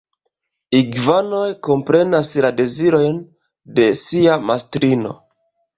Igvanoj komprenas la dezirojn de sia mastrino.